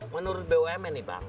menurut bum ini bang